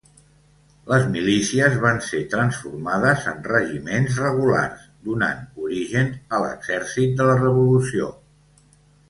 Les milícies van ser transformades en regiments regulars, donant origen a l'exèrcit de la revolució.